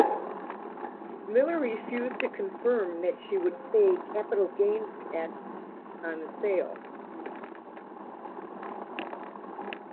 Miller refused to confirm that she would pay capital gains tax on the sale.